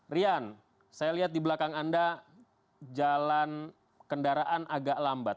rian saya lihat di belakang anda jalan kendaraan agak lambat